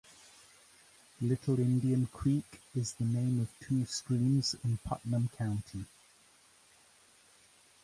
Little Indian Creek is the name of two streams in Putnam County.